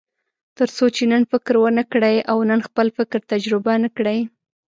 تر څو چې نن فکر ونه کړئ او نن خپل فکر تجربه نه کړئ.